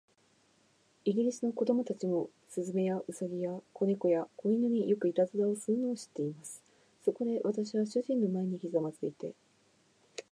イギリスの子供たちも、雀や、兎や、小猫や、小犬に、よくいたずらをするのを知っています。そこで、私は主人の前にひざまずいて